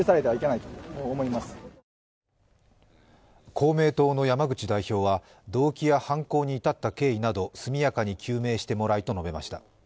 公明党の山口代表は動機や犯行に至った経緯など速やかに究明してもらいたいと述べました。